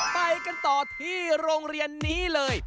ไปกันต่อที่โรงเรียนนี้เลย